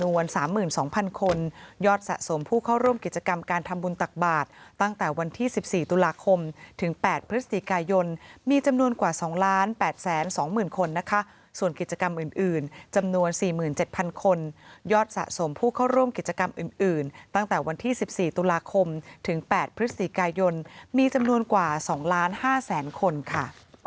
ส่วนกิจกรรมอื่นอื่นจำนวนสี่หมื่นเจ็ดพันคนยอดสะสมผู้เข้าร่วมกิจกรรมอื่นตั้งแต่วันที่สิบสี่ตุลาคมถึงแปดพฤศจิกายนมีจำนวนกว่าสองล้านห้าแสนคนค่ะ